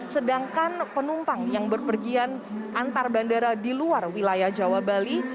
sedangkan penumpang yang berpergian antar bandara di luar wilayah jawa bali